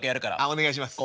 お願いします。